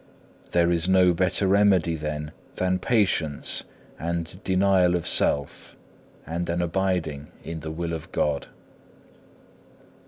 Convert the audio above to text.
There is no better remedy, then, than patience and denial of self, and an abiding in the will of God.